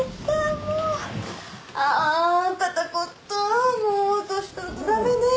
もう年取ると駄目ねえ。